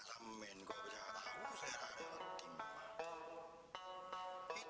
tapi mau jual sapi